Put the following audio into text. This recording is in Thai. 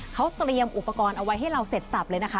เขาเตรียมอุปกรณ์เอาไว้ให้เราเสร็จสับเลยนะคะ